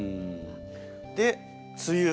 で「梅雨」。